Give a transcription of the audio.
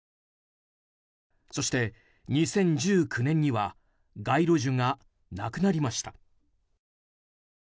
そして、２０１９年には街路樹がなくなりました。